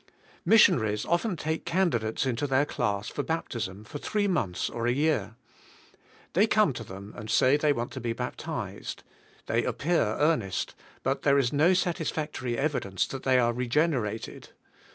Missionaries often take candidates into their class for baptism for three months or a year. They come to them and say they want to be baptized. They appear earnest, but there is no sat isfactory evidence that they are regenerated.